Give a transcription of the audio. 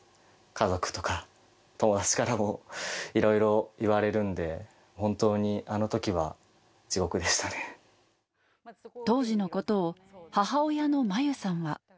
家族とか友達からもいろいろ言われるんで、本当にあのときは地獄当時のことを、母親のまゆさんは。